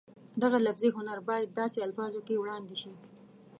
دغه لفظي هنر باید داسې الفاظو کې وړاندې شي